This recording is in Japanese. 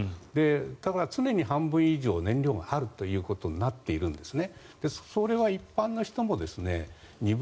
だから常に半分以上燃料があるということになっているんですね。